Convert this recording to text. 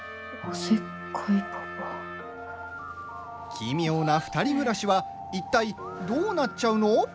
奇妙な２人暮らしはいったいどうなっちゃうの？